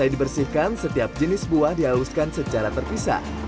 di sini setiap jenis buah dihaluskan secara terpisah